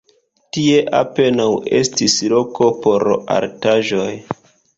Tie apenaŭ estis loko por artaĵoj.